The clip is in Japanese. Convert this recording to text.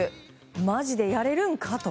マジでやれるんか？と。